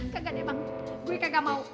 kagak deh bang gue kagak mau